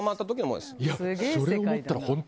いやそれを思ったら。